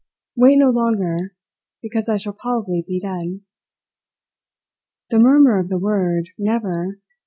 Wait no longer, because I shall probably be dead." The murmur of the word "Never!"